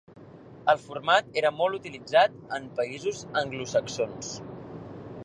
El format era molt utilitzat en països anglosaxons.